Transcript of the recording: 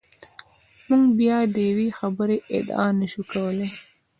موږ بیا د یوې خبرې ادعا نشو کولای.